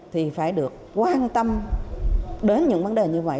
thì phải được quan tâm đến những vấn đề như vậy